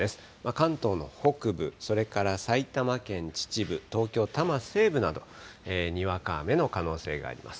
関東の北部、それから埼玉県秩父、東京・多摩西部など、にわか雨の可能性があります。